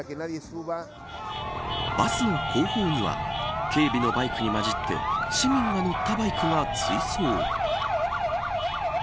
バスの後方には警備のバイクにまじって市民が乗ったバイクが追走。